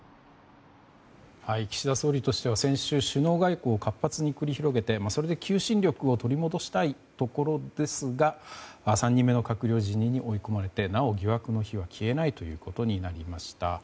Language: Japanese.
岸田総理としては先週、首脳外交を活発に繰り広げてそれで求心力を取り戻したいところですが３人目の閣僚辞任に追い込まれてなお疑惑の火は消えないということになりました。